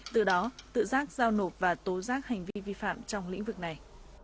từ đó tự giác giao nộp và tố giác hành vi vi phạm trong lĩnh vực này